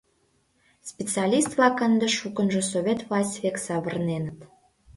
Специалист-влак ынде шукынжо Совет власть век савырненыт.